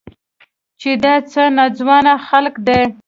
چې دا څه ناځوانه خلق دي.